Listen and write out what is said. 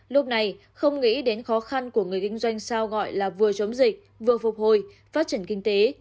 lúc này không nghĩ đến khó khăn của người kinh doanh sao gọi là vừa chống dịch vừa phục hồi phát triển kinh tế